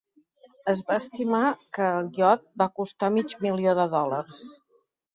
Es va estimar que el iot va costar mig milió de dòlars.